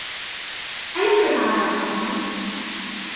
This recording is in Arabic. ألم تتعرف عنهم ؟